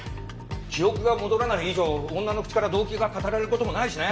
記憶が戻らない以上女の口から動機が語られる事もないしね。